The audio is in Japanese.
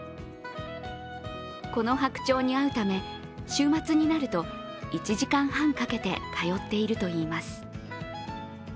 この白鳥に会うため、週末になると１時間半かけて通っているといいます。